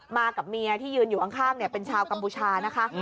กับเมียที่ยืนอยู่ข้างเป็นชาวกัมพูชานะคะ